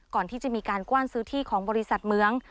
ก่อนที่จะมีการกว้านซื้อที่ของบริษัทเมือง